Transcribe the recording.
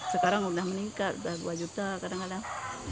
sekarang udah meningkat udah dua juta kadang kadang